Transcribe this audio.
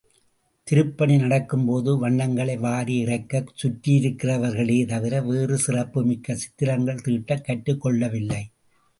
திருப்பணி நடக்கும்போது வண்ணங்களை வாரி இறைக்கக் கற்றிருக்கிறார்களே தவிர வேறு சிறப்பு மிக்க சித்திரங்கள் தீட்டக் கற்றுக் கொள்ளவில்லை.